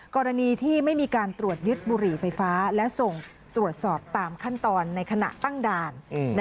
กรณีที่ไม่มีการตรวจยึดบุหรี่ไฟฟ้าและส่งตรวจสอบตามขั้นตอนในขณะตั้งด่าน